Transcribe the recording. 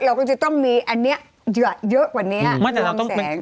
เราก็จะต้องมีแผงเยอะกว่านี้